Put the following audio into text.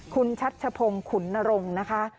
คุณชัดชะพงคุณนารงนะคะ